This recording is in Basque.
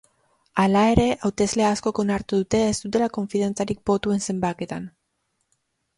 Hala ere, hautesle askok onartu dute ez dutela konfidantzarik botuen zenbaketan.